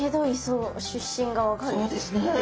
そうですね。